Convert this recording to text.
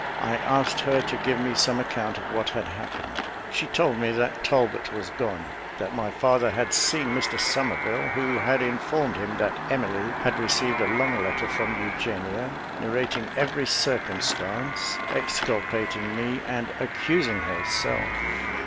I asked her to give me some account of what had happened. She told me that Talbot was gone that my father had seen Mr Somerville, who had informed him that Emily had received a long letter from Eugenia, narrating every circumstance, exculpating me, and accusing herself.